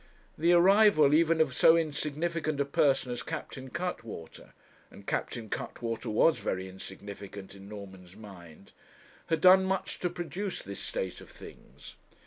The arrival even of so insignificant a person as Captain Cuttwater and Captain Cuttwater was very insignificant in Norman's mind had done much to produce this state of things.